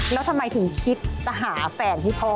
แล้วทำไมถึงคิดจะหาแฟนให้พ่อ